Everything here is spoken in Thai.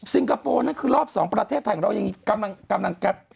ซิงกาโปนั่นคือรอบ๒ประเทศไทยของเรายังกำลังแก็บ